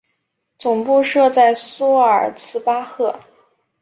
总部设在苏尔茨巴赫。